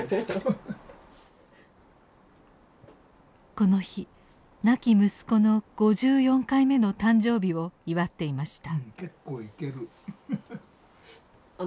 この日亡き息子の５４回目の誕生日を祝っていました。